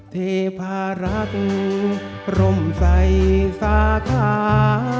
เทพารักษ์ร่มใส่สาขา